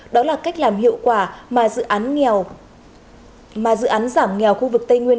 đó là cách làm hiệu quả mà dự án giảm nghèo khu vực tây nguyên